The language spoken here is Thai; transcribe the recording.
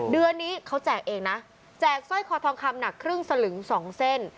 เดือนนี้เขาแจกเองนะแจกสร้อยคอทองคำหนักครึ่งสลึง๒เส้น